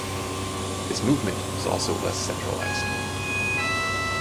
His movement was also less centralized.